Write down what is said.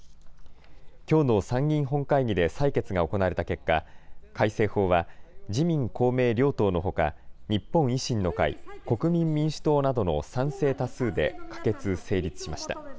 きょうの参議院本会議で採決が行われた結果、改正法は自民公明両党のほか日本維新の会、国民民主党などの賛成多数で可決・成立しました。